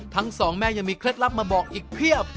ทั้งสองแม่ยังมีเคล็ดลับมาบอกอีกเพียบ